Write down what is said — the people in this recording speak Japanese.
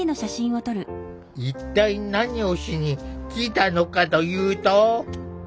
一体何をしに来たのかというと。